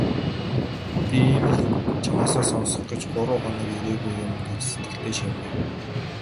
"Би ийм л үг чамаасаа сонсох гэж гурав хоног ирээгүй юм" гэж сэтгэлдээ шивнэв.